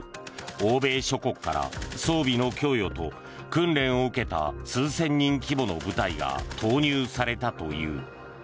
欧米諸国から装備の供与と、訓練を受けた数千人規模の部隊が投入されたという。